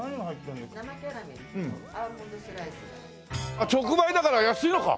あっ直売だから安いのか。